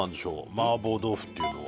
麻婆豆腐っていうのは。